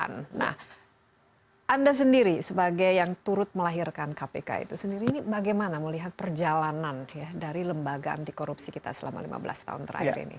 nah anda sendiri sebagai yang turut melahirkan kpk itu sendiri ini bagaimana melihat perjalanan dari lembaga anti korupsi kita selama lima belas tahun terakhir ini